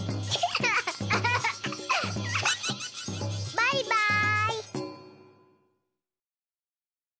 バイバーイ！